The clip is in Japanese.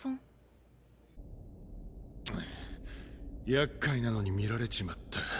やっかいなのに見られちまった。